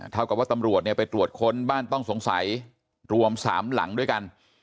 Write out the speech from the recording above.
เท่ากับว่าตำรวจไปตรวจค้นบ้านต้องสงสัยรวม๓หลังด้วยกัน